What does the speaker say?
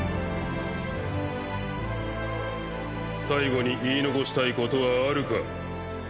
最期に言い残したいことはあるか？